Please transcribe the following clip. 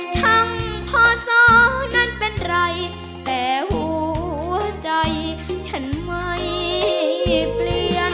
ช่างพอสอนั้นเป็นไรแต่หัวใจฉันไม่เปลี่ยน